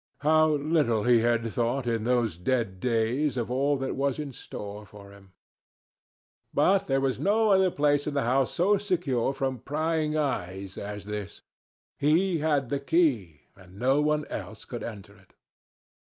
How little he had thought, in those dead days, of all that was in store for him! But there was no other place in the house so secure from prying eyes as this. He had the key, and no one else could enter it.